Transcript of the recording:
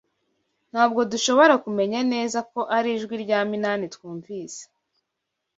Ntabwo dushobora kumenya neza ko ari ijwi rya Minani twumvise.